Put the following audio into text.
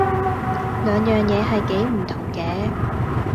兩樣嘢係幾唔同嘅